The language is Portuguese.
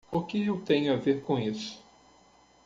O que eu tenho a ver com isso?